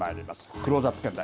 クローズアップ現代。